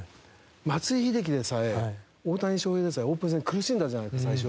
松井秀喜でさえ大谷翔平でさえオープン戦苦しんだじゃないですか最初。